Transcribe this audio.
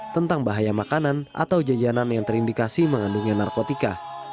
tentang bahaya makanan atau jajanan yang terindikasi mengandungnya narkotika